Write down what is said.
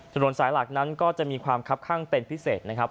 ถนนสายหลักนั้นก็จะมีความคับข้างเป็นพิเศษนะครับ